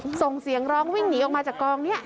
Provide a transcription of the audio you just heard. ส่งเสียงร้องวิ่งหนีออกมาจากกองนี้